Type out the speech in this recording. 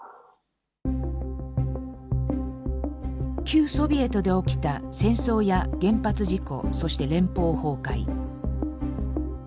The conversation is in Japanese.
旧ソビエトで起きた戦争や原発事故そして連邦崩壊。